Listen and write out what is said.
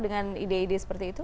dengan ide ide seperti itu